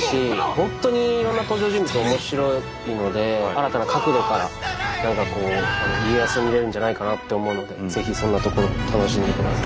本当にいろんな登場人物面白いので新たな角度から何かこう家康を見れるんじゃないかなって思うのでぜひそんなところを楽しんでください。